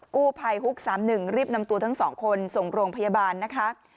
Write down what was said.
กู้ภัยฮุก๓๑รีบนำตัวทั้ง๒คนส่งโรงพยาบาลนะคะ